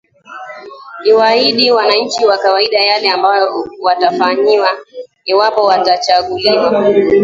iwaahidi wananchi wa kawaida yale ambayo watawafanyia iwapo watachanguliwa